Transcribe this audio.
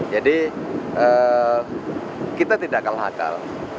jadi kita tidak kalah akal